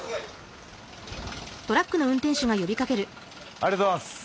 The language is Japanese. ありがとうございます。